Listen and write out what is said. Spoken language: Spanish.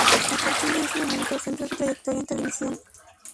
A partir de ese momento centra su trayectoria en televisión.